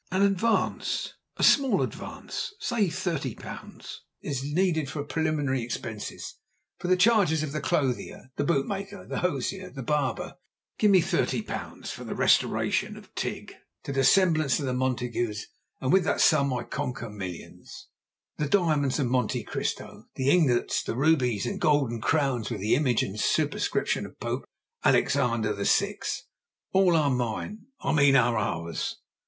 An advance, a small advance—say 30_l._—is needed for preliminary expenses: for the charges of the clothier, the bootmaker, the hosier, the barber. Give me 30_l._ for the restoration of Tigg to the semblance of the Montagues, and with that sum I conquer millions. The diamonds of Monte Cristo, the ingots, the rubies, the golden crowns with the image and superscription of Pope Alexander VI.—all are mine: I mean are ours.